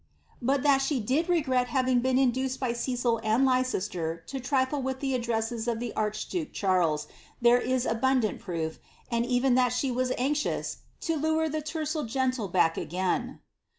But that she did regret having been induced by Cecil and Leicester to trifle with the addresses of the archduke Charles, there is abundant proof, and even that she was anxioas ^ to lure the tercel gen til back again.''